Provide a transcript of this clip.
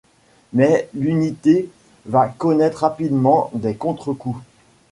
Mais l'unité va connaître rapidement des contre-coups.